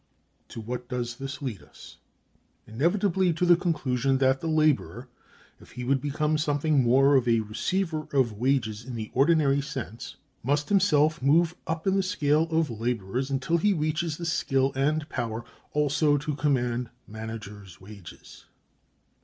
To what does this lead us? Inevitably to the conclusion that the laborer, if he would become something more than a receiver of wages, in the ordinary sense, must himself move up in the scale of laborers until he reaches the skill and power also to command manager's wages.